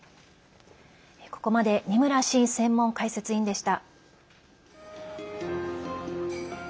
ここまで二村伸専門解説委員でした。